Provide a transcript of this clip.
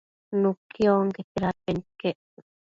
nuqui onquete dadpenquio iquec